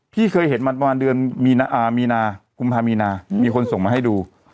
พี่เคยเห็นมาประมาณเดือนมีนากุมภามีนามีคนส่งมาให้ดู